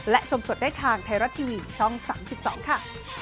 และชมสดได้ทางไทยรัฐทีวีช่อง๓๒ค่ะ